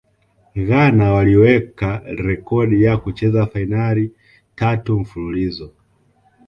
ghana waliweka rekodi ya kucheza fainali tatu mfululizo